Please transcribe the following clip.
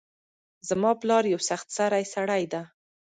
زما پلار یو سخت سرۍ سړۍ ده